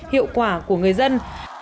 hiệu quả của người dân